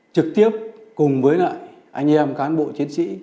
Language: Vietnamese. trực tiếp cùng với lại anh em cán bộ chiến sĩ